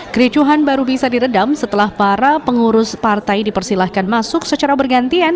kericuhan baru bisa diredam setelah para pengurus partai dipersilahkan masuk secara bergantian